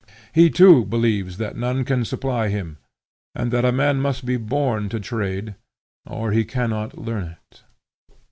He too believes that none can supply him, and that a man must be born to trade or he cannot learn it.